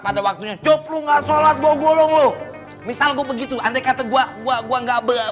pada waktunya cop lu enggak sholat gua gulung lu misal gua begitu andai kata gua gua gua enggak